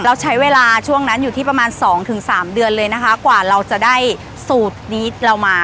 เราใช้เวลาช่วงนั้นอยู่ที่ประมาณสองถึงสามเดือนเลยนะคะกว่าเราจะได้สูตรนี้เรามา